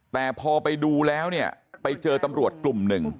แต่พอไปดูแล้วเนี่ยไปเจอตำรวจกลุ่มหนึ่ง